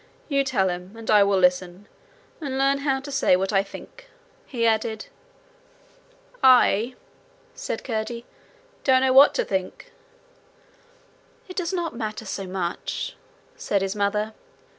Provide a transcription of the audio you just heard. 'You tell him, and I will listen and learn how to say what I think,' he added. 'I,' said Curdie, 'don't know what to think.' 'It does not matter so much,' said his mother.